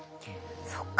そっか。